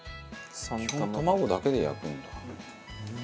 卵だけで焼くんだ。